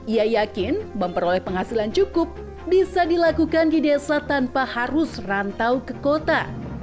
ia yakin memperoleh penghasilan cukup bisa dilakukan di desa tanpa harus rantau ke kota